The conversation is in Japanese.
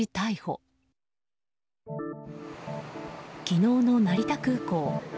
昨日の成田空港。